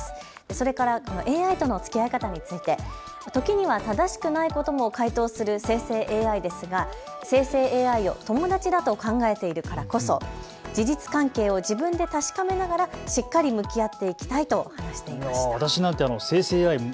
それからこのＡＩとのつきあい方について時には正しくないことも回答する生成ＡＩですが、生成ＡＩを友達だと考えているからこそ事実関係を自分で確かめながらしっかり向き合っていきたいと話していました。